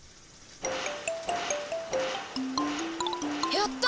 やった！